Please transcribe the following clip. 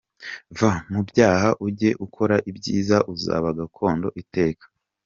Va mu byaha ujye ukora ibyiza, Uzaba gakondo iteka.